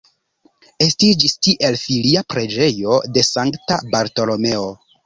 Estiĝis tiel filia preĝejo de sankta Bartolomeo.